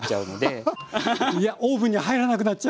いやオーブンに入らなくなっちゃう。